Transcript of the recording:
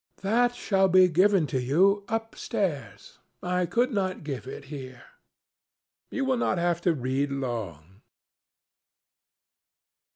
"That shall be given to you upstairs. I could not give it here. You will not have to read long."